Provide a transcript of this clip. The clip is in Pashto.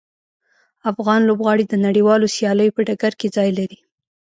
افغان لوبغاړي د نړیوالو سیالیو په ډګر کې ځای لري.